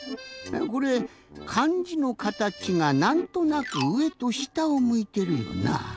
これかんじのかたちがなんとなく「上」と「下」をむいてるよな。